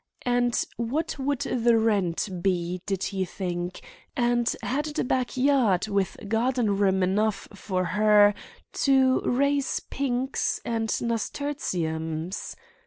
and what would the rent be, did he think? and had it a back yard with garden room enough for her to raise pinks and nasturtiums?